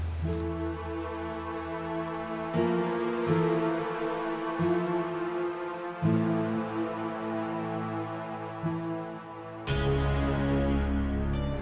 terima kasih om